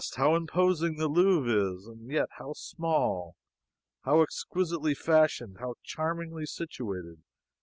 How imposing the Louvre is, and yet how small! How exquisitely fashioned! How charmingly situated!